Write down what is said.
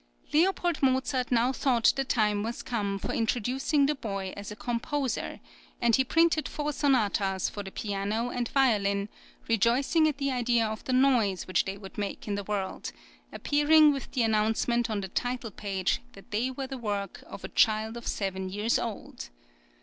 Leopold Mozart now thought the time was come for introducing the boy as a composer, and he printed four sonatas for the piano and violin, rejoicing at the idea of the noise which they would make in the world, appearing with the announcement on the title page that they were the work of a child of seven years old.